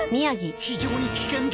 非常に危険だ。